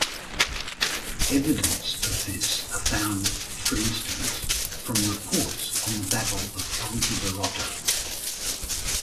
Evidence of this are found, for instance, from reports on the Battle of Aljubarrota.